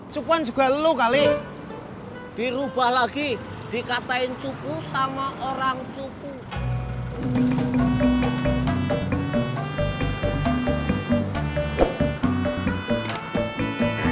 cupuan juga lo kali dirubah lagi dikatain cukup sama orang cukup